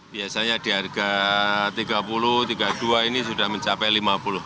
biasanya di harga rp tiga puluh rp tiga puluh dua ini sudah mencapai rp lima puluh